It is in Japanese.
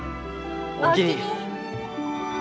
おおきに。